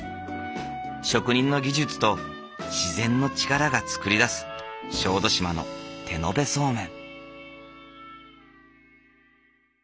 職人の技術と自然の力が作り出す小豆島の手延べそうめん。